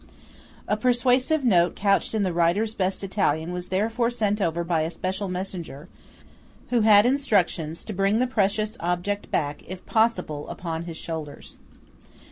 A persuasive note couched in the writer's best Italian was therefore sent over by a special messenger, who had instructions to bring the precious object back, if possible, upon his shoulders.